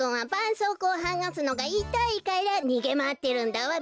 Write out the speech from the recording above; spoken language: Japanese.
そうこうをはがすのがいたいからにげまわってるんだわべ。